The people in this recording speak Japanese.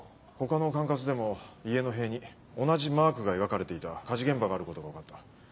他の管轄でも家の塀に同じマークが描かれていた火事現場があることが分かった。